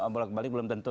bolak balik belum tentu